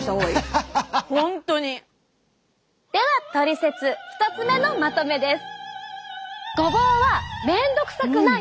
ではトリセツ１つ目のまとめです。